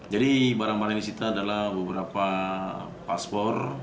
jadi barang barang yang disita adalah beberapa paspor